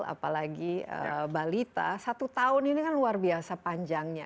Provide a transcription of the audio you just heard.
apalagi balita satu tahun ini kan luar biasa panjangnya